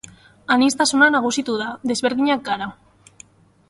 Aniztasuna nagusitu da, desberdinak gara.